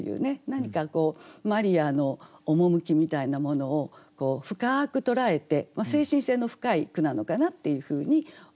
何かマリアの趣みたいなものを深く捉えて精神性の深い句なのかなっていうふうに思いました。